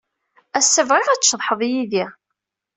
Ass-a, bɣiɣ ad tceḍḥed yid-i.